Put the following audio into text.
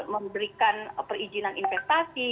memberikan perizinan investasi